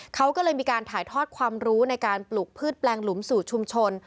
เขาก็เลยมีการถ่ายทอดความรู้ในการปลูกพืชแปลงหลุมสู่ชุมชน